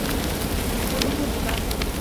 অনুভূতি, বাপ।